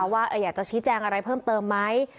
ว่าอยากจะชี้แจงอะไรเพิ่มเติมไหม